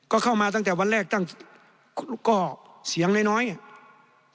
ก็เข้ามาตั้งแต่วันแรกตั้งก็เสียงน้อยน้อยอ่ะ